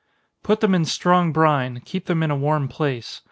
_ Put them in strong brine keep them in a warm place.